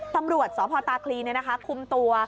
ตำรวจสภคลีนคุมตัว